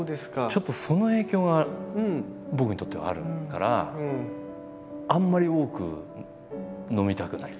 ちょっとその影響が僕にとってはあるからあんまり多く飲みたくない。